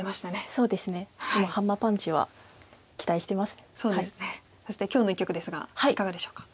そして今日の一局ですがいかがでしょうか？